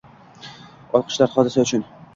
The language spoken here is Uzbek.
Olqishlar Hodisa uchun!